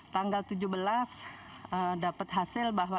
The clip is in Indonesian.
tanggal tujuh belas dapat hasil bahwa